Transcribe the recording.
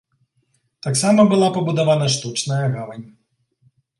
Таксама была пабудавана штучная гавань.